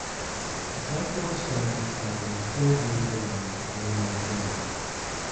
The cyclone strengthened slightly before it moved inland near Manzanillo.